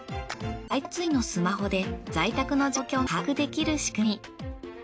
配達員のスマホで在宅の状況が把握できる仕組み。